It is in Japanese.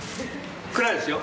暗いですよ。